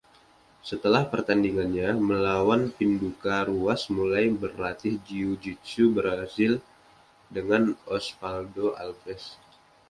Setelah pertandingannya melawan Pinduka, Ruas mulai berlatih jiu-jitsu Brazil dengan Osvaldo Alves.